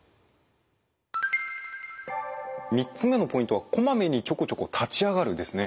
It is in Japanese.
３つ目のポイントは「こまめにちょこちょこ立ち上がる」ですね。